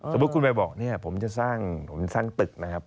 สมมุติคุณไปบอกเนี่ยผมจะสร้างผมสร้างตึกนะครับ